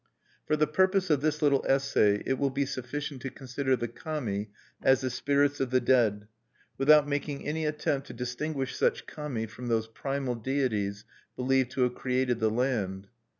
For the purpose of this little essay, it will be sufficient to consider the Kami as the spirits of the dead, without making any attempt to distinguish such Kami from those primal deities believed to have created the land.